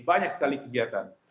banyak sekali kegiatan